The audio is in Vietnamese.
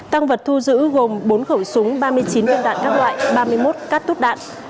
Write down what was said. tăng vật thu giữ gồm bốn khẩu súng ba mươi chín viên đạn các loại ba mươi một cát túp đạn